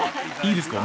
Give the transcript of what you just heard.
いいですか？